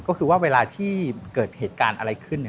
ก็คือว่าเวลาที่เกิดเหตุการณ์อะไรขึ้น